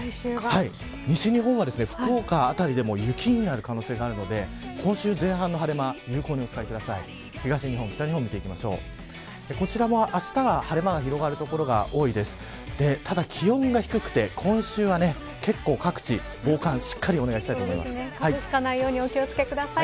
西日本は福岡辺りでも雪になる可能性があるので今週前半の晴れ間有効にお使いください。